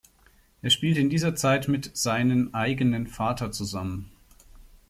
Er spielte in dieser Zeit mit seinen eigenen Vater zusammen.